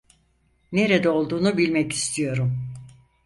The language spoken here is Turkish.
Nerede olduğunu bilmek istiyorum.